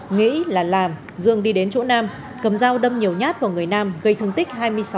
nghĩ là làm dương đi đến chỗ nam cầm dao đâm nhiều nhát vào người nam gây thương tích hai mươi sáu